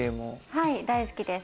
はい、大好きです。